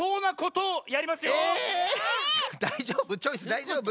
⁉だいじょうぶ？